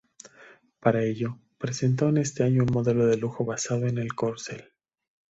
Para ello, presentó en ese año un modelo de lujo basado en el Corcel.